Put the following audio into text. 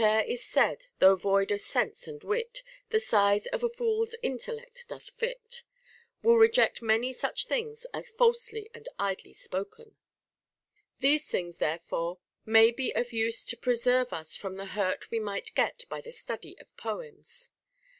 7 4 HOW A YOUNG MAN OUGHT Whate'er is said, though void of sense and wit, The size of a fool's intellect doth fit, will reject many such things as falsely and idly spoken. 10. These things therefore may be of use to preserve us from the hurt we might get by the study of poems.